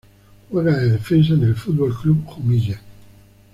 Juega de defensa en el Fútbol Club Jumilla.